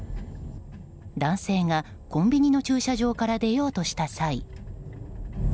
男性がコンビニの駐車場から出ようとした際。